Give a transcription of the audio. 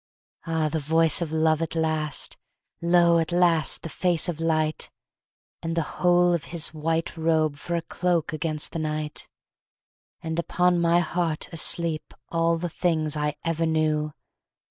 Ah, the voice of love at last! Lo, at last the face of light! And the whole of His white robe For a cloak against the night! And upon my heart asleep All the things I ever knew!